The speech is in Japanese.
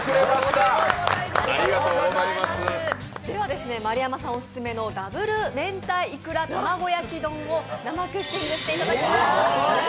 では丸山さんオススメのＷ明太いくら玉子焼丼を生クッキングしていただきます。